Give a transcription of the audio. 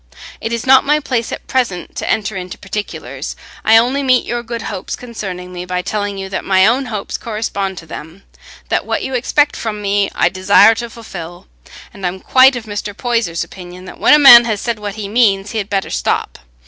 It is not my place at present to enter into particulars; I only meet your good hopes concerning me by telling you that my own hopes correspond to them—that what you expect from me I desire to fulfil; and I am quite of Mr. Poyser's opinion, that when a man has said what he means, he had better stop.